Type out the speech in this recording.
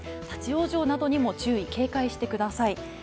立往生などにも注意、警戒してください。